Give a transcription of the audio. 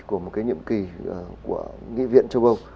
của một cái nhiệm kỳ của nghị viện châu âu